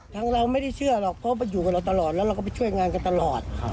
เราไม่ได้เชื่อหรอกเพราะไปอยู่กับเราตลอดแล้วเราก็ไปช่วยงานกันตลอด